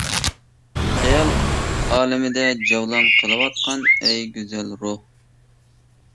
خىيال ئالىمىدە جەۋلان قىلىۋاتقان ئەي گۈزەل روھ!